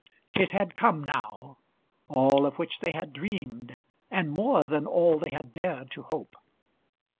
It had come now all of which they had dreamed, and more than all they had dared to hope.